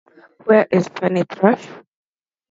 Where is Fanny Thrush?